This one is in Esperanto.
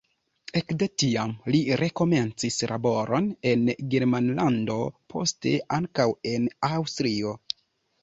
Ekde tiam li rekomencis laboron en Germanlando, poste ankaŭ en Aŭstrio.